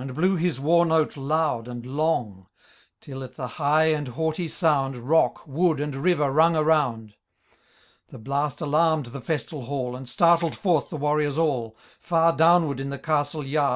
And blew his wai^note loud and long. Till, at the high and haughty sound. Rode, wood, and river, rung around. The blast alarm'd the' festal hall. And startled forth the warriors all ; Far downward, in the castle yard.